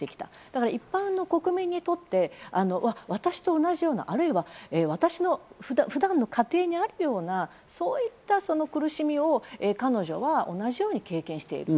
だから一般の国民にとって、私と同じような、あるいは私の普段の家庭にあるような、そういった苦しみを彼女は同じように経験している。